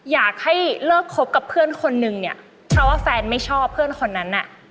อยากให้เลิกคบกับเพื่อนคนนึงเนี่ยเพราะว่าแฟนไม่ชอบเพื่อนคนนั้นน่ะ